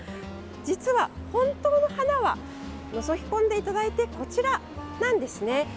実は、本当の花はのぞき込んでいただいてこちらなんですね。